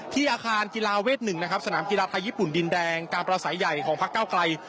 ที่อาคารกีฬาเวศหนึ่งการ์ประสายอายของพักเก่าไกล